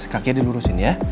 kakek dilurusin ya